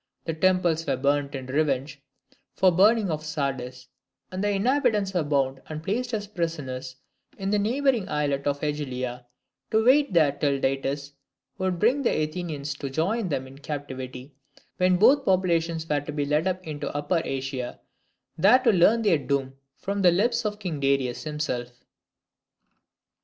The temples were burnt in revenge for the burning of Sardis, and the inhabitants were bound and placed as prisoners in the neighbouring islet of AEgylia, to wait there till Datis should bring the Athenians to join them in captivity, when both populations were to be led into Upper Asia, there to learn their doom from the lips of King Darius himself.